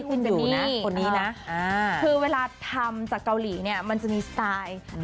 คุณดูนะคนนี้นะคือเวลาทำจากเกาหลีเนี่ยมันจะมีสไตล์